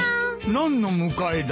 何の迎えだ？